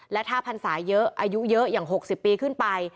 และถ้าพันศายู้เยอะอย่าง๖๐ปีขึ้นไป